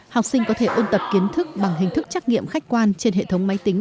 học sinh có thể ôn tập kiến thức bằng hình thức trắc nghiệm khách quan trên hệ thống máy tính